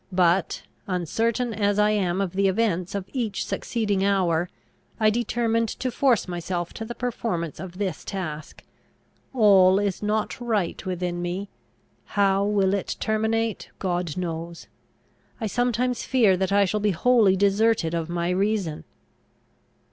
But, uncertain as I am of the events of each succeeding hour, I determined to force myself to the performance of this task. All is not right within me. How it will terminate, God knows. I sometimes fear that I shall be wholly deserted of my reason.